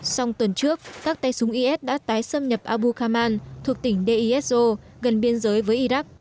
song tuần trước các tay súng is đã tái xâm nhập abu khaman thuộc tỉnh deir ezzor gần biên giới với iraq